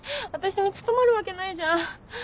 私に務まるわけないじゃん。